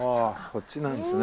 こっちなんですね。